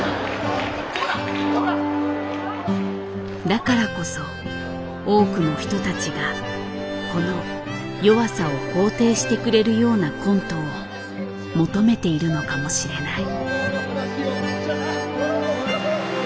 だからこそ多くの人たちがこの弱さを肯定してくれるようなコントを求めているのかもしれない。